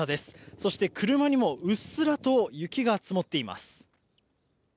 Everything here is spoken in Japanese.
そして、車にもうっすらと雪が積もっています。